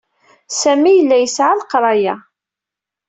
Sami yella yesɛa leqraya.